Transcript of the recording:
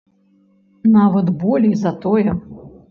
Нават болей за тое.